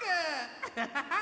ハハハハ。